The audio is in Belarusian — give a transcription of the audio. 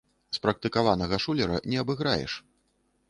Спрактыкаванага шулера не абыграеш.